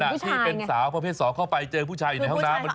ที่เป็นสาวประเภท๒เข้าไปเจอผู้ชายอยู่ในห้องน้ำ